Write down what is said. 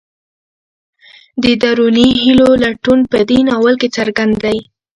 د دروني هیلو لټون په دې ناول کې څرګند دی.